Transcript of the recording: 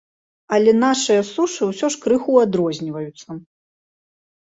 Але нашыя сушы ўсё ж крыху адрозніваюцца.